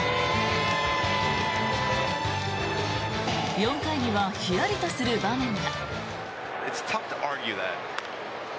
４回にはひやりとする場面が。